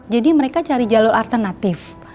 jadi mereka cari jalur alternatif